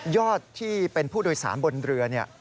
ที่เป็นผู้โดยสารบนเรือ